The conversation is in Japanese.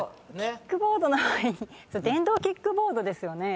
キックボードの前に「電動キックボード」ですよね？